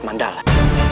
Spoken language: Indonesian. kami tidak mau